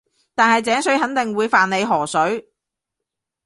但係井水肯定會犯你河水